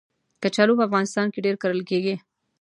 کچالو په افغانستان کې ډېر کرل کېږي